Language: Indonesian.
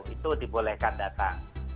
itu dibolehkan datang